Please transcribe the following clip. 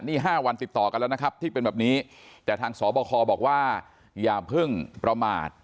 นี่๕วันติดต่อกันแล้วนะครับที่เป็นแบบนี้แต่ทางสบคบอกว่าอย่าเพิ่งประมาท